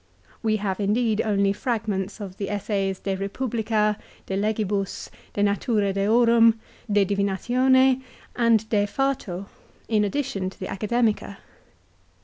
We have indeed only fragments of the essays, " De Eepublica," " De Legibus," " De Natura Deorum," " De Divinatione" and "De Fato," in addition to the " Academica."